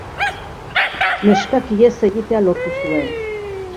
Neskak ihes egitea lortu zuen.